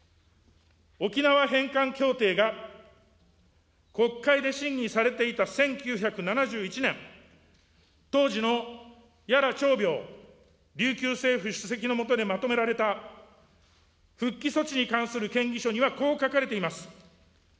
沖縄返還協定が国会で審議されていた１９７１年、当時の屋良朝苗琉球政府主席の下でまとめられた復帰措置に関する建議書にはこう書かれています。